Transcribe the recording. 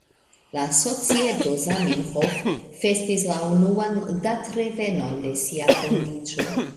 La societo „Zamenhof” festis la unuan datrevenon de sia fondiĝo.